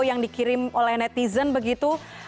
yang dikirim oleh netizen begitu